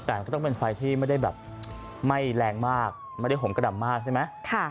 แต่มันก็ต้องเป็นไฟที่ไม่ได้แบบไม่แรงมากไม่ได้ห่มกระดำมากใช่ไหม